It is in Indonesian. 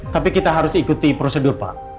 tapi kita harus ikuti prosedur pak